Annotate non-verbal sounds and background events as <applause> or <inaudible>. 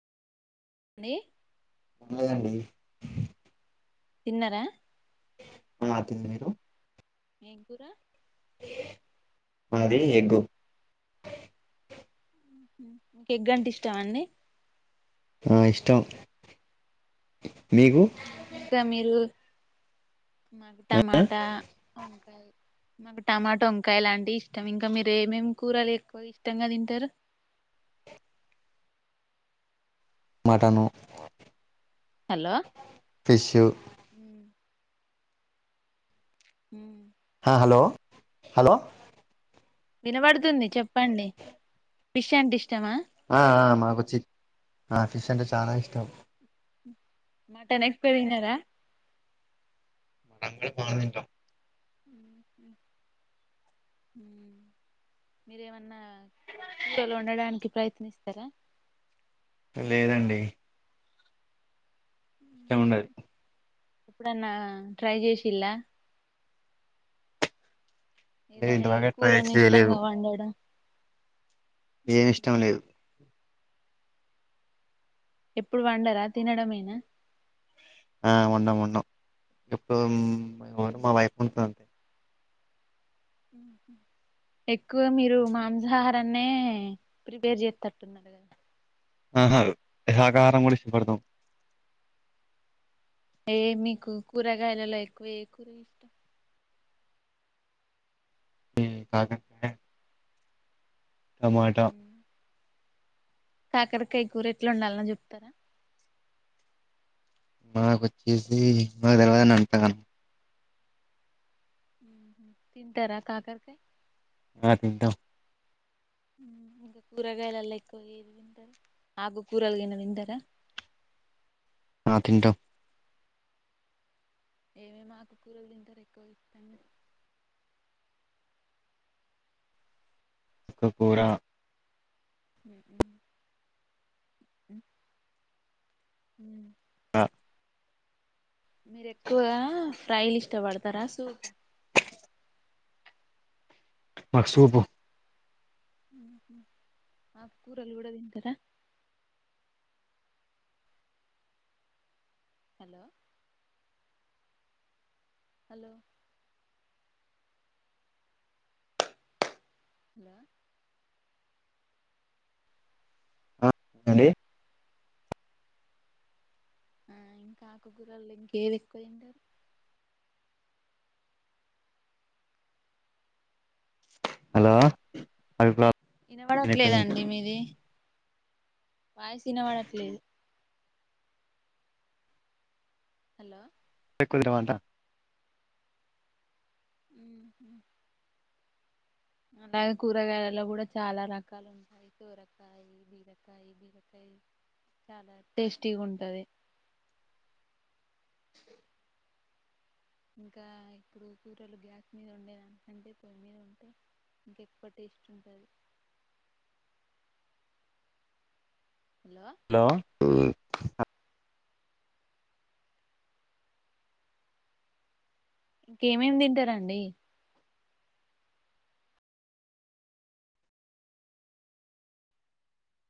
ని లేదండి తిన్నర ఆ తిన్న మీరు ఏ కూర అది ఎగ్గు ఎగ్గంటే ఇష్టమండి ఆ ఇష్టం మీకు ఇంకా మీరు మాకు టమాటా మాకు టమాటోంకాయలంటిష్టం ఇంకా మీరు ఏమేమ్ కూరలు ఎక్కువ ఇష్టంగా తింటారు మటను హలో ఫిష్ ఊ ఆ హలో హలో వినబడుతుంది చెప్పండి ఫిష్ అంటే ఇష్ ఆ ఆ మాకు వొచిప్ ఆ ఫిష్ అంటే చానా ఇష్టం మటన్ ఎక్కువ తినరా అందుకే పాన్ దింటం ఉహు మీరేమన్నా కూరలు ఒండడానికి ప్రయత్నిస్తారా లేదండి ఇష్టముండదు ఎప్పుడన్నా ట్రై చేషిలా నేను ఏదైనా ఈ ఇంతవరకే ట్రై కూరని ఇష్టంగా వండడం ఏం ఇష్టం లేదు ఎప్పుడు వండరా తినడంమేనా. ఆ వండంవండం ఎప్పుడు రు మా వైఫ్ ఉంట ఎక్కువ మీరు మాంసాహారాన్నే ప్రిపేర్ చేస్తట్టున్నారు కదా ఆహా శాకాహారం గుడా ఇష్ట పడతాం. అయే మీకు కూరగాయలలో ఎక్కువ ఏ కూర ఇష్టం. కాకర కాయ టమాటా కాకరకాయ కూర ఎట్లా వండాల్నో చెప్తారా. మాకొచ్చేసి మాకు నాకు తెల్వది అంతగనం. తింటరా కాకర కాయ్ ఆ తింటం ఇంకా కూరగాయలల్ల ఎక్కువ ఏది తింటరు, ఆకు కూరలు గిన తింటరా. ఆ తింటం ఏమేమి ఆకుకూరలు తింటరు, ఎక్కువ ఇష్టంగా. చుక్క కూర ఉమ్ ఆ మీరు ఎక్కువగా ఫ్రైలు ఇష్టపడతరా, సూప్ మక్సూపు ఆకు కూరలు కూడా తింటరా హలో హలో <inaudible> ఆ ఏండి ఆ ఇంకా ఆకుకూరల్ల ఇంకేవి ఎక్కువ ఇష్టం. హలో అ భి <unintelligible> వినబడట్లేదండి వాయసినపడట్లేదు. హలో కుదరవాట ఉ అలాగే కూరగాయల్లో కూడా చాలా రకాలు ఉంటయి, కూరకాయ బీరకాయ బీరకాయ చాలా టేస్టీగా ఉంటది. ఇంకా ఇప్పుడు కూరలు గ్యాస్ మీద వండేదానికంటే, పొయ్యి మీద ఉంటే ఇంకా ఎక్కువ టేస్ట్ ఉంటుంది. హలో ఇంకేమేమి తింటరండి